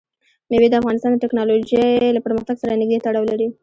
مېوې د افغانستان د تکنالوژۍ له پرمختګ سره نږدې تړاو لري.